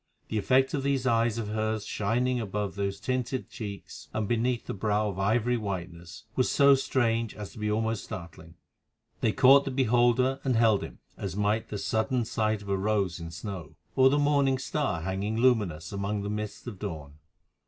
The effect of these eyes of hers shining above those tinted cheeks and beneath the brow of ivory whiteness was so strange as to be almost startling. They caught the beholder and held him, as might the sudden sight of a rose in snow, or the morning star hanging luminous among the mists of dawn.